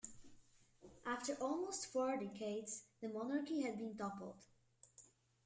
After almost four decades, the monarchy had been toppled.